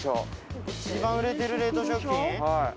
一番売れてる冷凍食品？